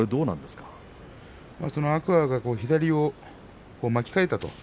きょうは天空海が左を巻き替えた。